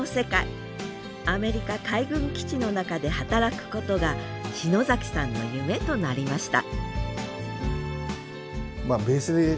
アメリカ海軍基地の中で働くことが篠崎さんの夢となりました